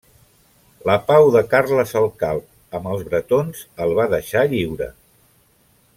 La pau de Carles el Calb amb els bretons el va deixar lliure.